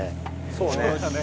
そうだね。